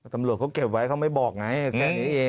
ตำรวจเขาเก็บไว้เขาไม่บอกไงแค่นี้เอง